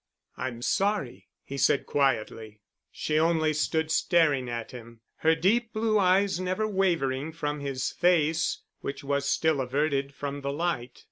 "I'm sorry," he said quietly. She only stood staring at him, her deep blue eyes never wavering from his face, which was still averted from the light.